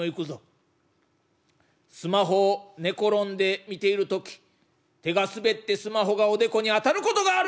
スマホを寝転んで見ている時手が滑ってスマホがおでこに当たることがある！」。